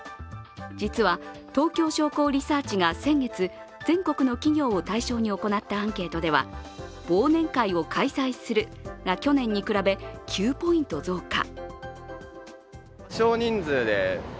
実は東京商工リサーチが先月全国の企業を対象に行ったアンケートでは忘年会を開催するが去年に比べ９ポイント増加。